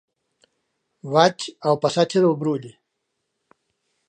Vaig al passatge del Brull.